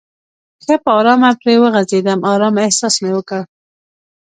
ښه په آرامه پرې وغځېدم، آرامه احساس مې وکړ.